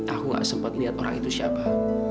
aku gak sempat lihat orang itu siapa